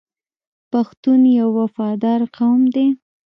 پښتون یو وفادار قوم دی.